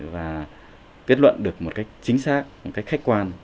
và kết luận được một cách chính xác một cách khách quan